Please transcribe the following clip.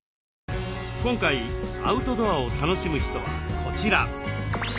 今回アウトドアを楽しむ人はこちら。